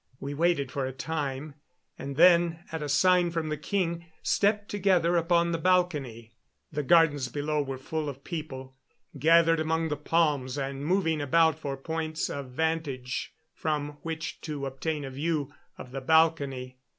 We waited for a time, and then, at a sign from the king, stepped together upon the balcony. The gardens below were full of people gathered among the palms and moving about for points of vantage from which to obtain a view of the balcony.